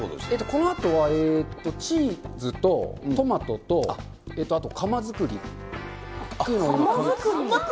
このあとは、チーズと、トマトと、あと窯作り。というのを。